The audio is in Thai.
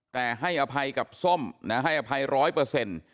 แต่ให้อภัยกับส้มนะให้อภัยร้อยเปอร์เซ็นต์